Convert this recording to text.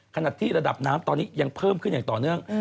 ขณะที่ระดับน้ำตอนนี้ยังเพิ่มขึ้นอย่างต่อเนื่อง